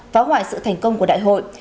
phá hoại sự thành công của đại hội